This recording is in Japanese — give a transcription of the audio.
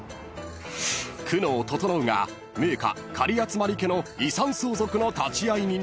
［久能整が名家狩集家の遺産相続の立会人に！？］